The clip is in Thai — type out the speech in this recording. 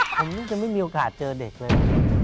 ผมจะไม่มีโอกาสเจอเด็กเลย